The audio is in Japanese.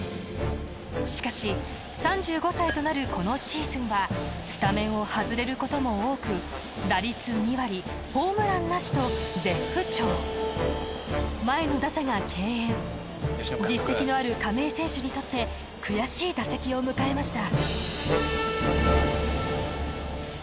しかし３５歳となるこのシーズンはスタメンを外れることも多く打率２割ホームランなしと絶不調前の打者が敬遠実績のある亀井選手にとって悔しい打席を迎えました